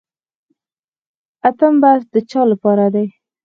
اتم بست د چا لپاره دی؟